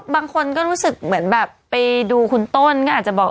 บางคนก็รู้สึกเหมือนแบบไปดูคุณต้นก็อาจจะบอก